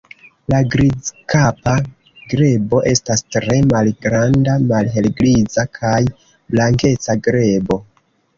La Grizkapa grebo estas tre malgranda malhelgriza kaj blankeca grebo.